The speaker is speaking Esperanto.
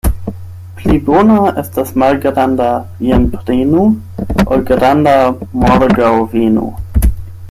Pli bona estas malgranda "jen prenu" ol granda "morgaŭ venu".